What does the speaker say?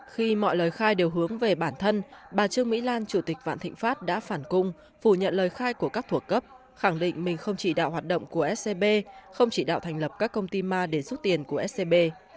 khi mọi lời khai đều hướng về bản thân bà trương mỹ lan chủ tịch vạn thịnh pháp đã phản cung phủ nhận lời khai của các thủ cấp khẳng định mình không chỉ đạo hoạt động của scb không chỉ đạo thành lập các công ty ma để giúp tiền của scb